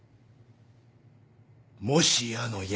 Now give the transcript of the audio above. もしやのや。